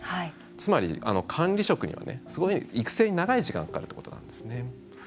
つまり、管理職には育成に長い時間かかるということなんですね。